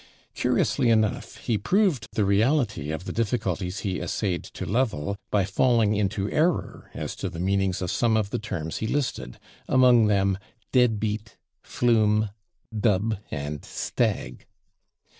Curiously enough, he proved the reality of the difficulties he essayed to level by falling into error as to the meanings of some of the terms he listed, among them /dead beat/, /flume/, /dub/ and /stag